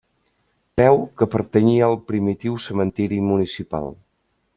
Creu que pertanyia al primitiu cementiri municipal.